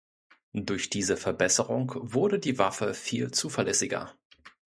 Durch diese Verbesserung wurde die Waffe viel zuverlässiger.